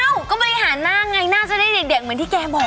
อ้าวก็ไปหาน่าไงน่าจะได้เด็กเหมือนที่แกบอก